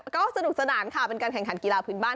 ก็สนุกสนานค่ะเป็นการแข่งขันกีฬาพื้นบ้าน